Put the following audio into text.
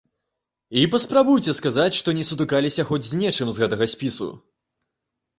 І паспрабуйце сказаць, што не сутыкаліся хоць з нечым з гэтага спісу.